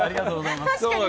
ありがとうございます。